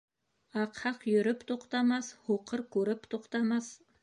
Аҡһаҡ йөрөп туҡтамаҫ, һуҡыр күреп туҡтамаҫ.